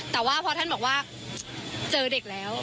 แต่ว่าพอท่านบอกว่าเจอเด็กแล้ว